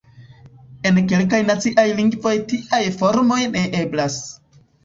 En kelkaj naciaj lingvoj tiaj formoj ne eblas.